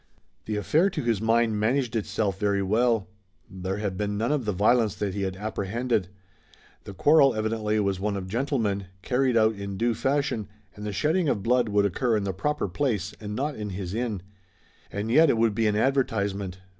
The affair to his mind managed itself very well. There had been none of the violence that he had apprehended. The quarrel evidently was one of gentlemen, carried out in due fashion, and the shedding of blood would occur in the proper place and not in his inn. And yet it would be an advertisement.